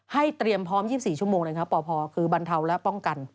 เตรียมพร้อม๒๔ชั่วโมงเลยครับปพคือบรรเทาและป้องกัน